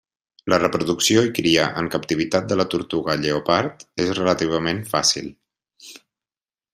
La reproducció i cria en captivitat de la tortuga lleopard és relativament fàcil.